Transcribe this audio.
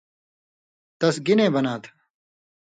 تس گِنے بناں تھہ